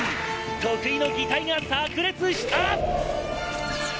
得意の擬態が炸裂したぁ！」